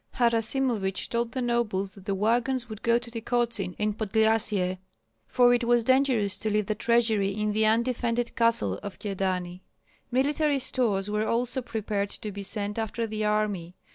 Harasimovich told the nobles that the wagons would go to Tykotsin in Podlyasye, for it was dangerous to leave the treasury in the undefended castle of Kyedani. Military stores were also prepared to be sent after the army.